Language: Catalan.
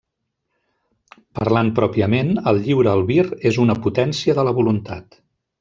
Parlant pròpiament, el lliure albir és una potència de la voluntat.